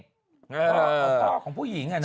พ่อของผู้หญิงไงนะ